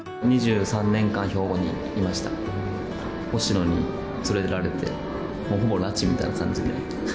星野に連れられてほぼ拉致みたいな感じで。